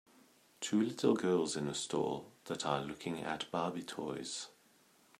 Two little girls in a store that are looking at barbie toys.